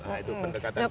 nah itu pendekatan keluarga